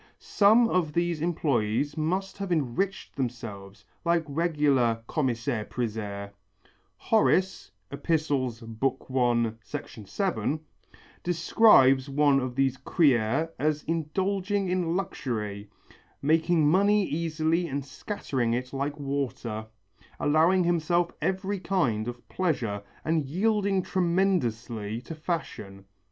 Some of these employés must have enriched themselves like regular commissaires priseurs. Horace (I. Ep., 7) describes one of these crieurs as indulging in luxury, making money easily and scattering it like water, allowing himself every kind of pleasure and yielding tremendously to fashion.